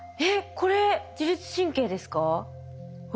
これ自律神経ですか？